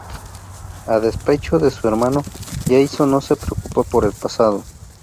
A despecho de su hermano, Jason no se preocupa por el pasado.